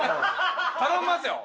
頼みますよ。